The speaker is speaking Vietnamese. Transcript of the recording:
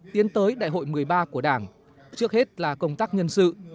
tiến tới đại hội một mươi ba của đảng trước hết là công tác nhân sự